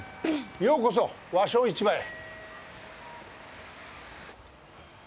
ようこそ和商市場へ。